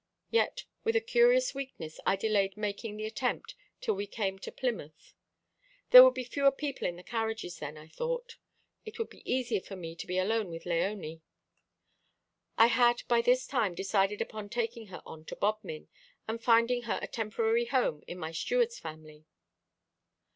Yet, with a curious weakness, I delayed making the attempt till we came to Plymouth. There would be fewer people in the carriages then, I thought. It would be easier for me to be alone with Léonie. I had by this time decided upon taking her on to Bodmin, and finding her a temporary home in my steward's family.